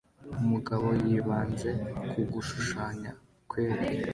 Umugabo yibanze ku gushushanya kwe